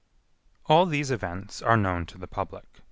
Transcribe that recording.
All these events are known to the public.